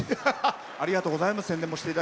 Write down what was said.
ありがとうございます。